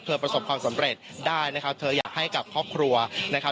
ประสบความสำเร็จได้นะครับเธออยากให้กับครอบครัวนะครับ